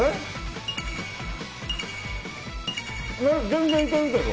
全然いけるけど？